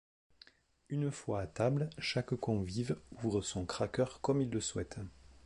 Une fois à table, chaque convive ouvre son cracker comme il le souhaite.